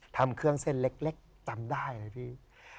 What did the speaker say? ทำเครื่องเส้นเล็กจำได้เลยพี่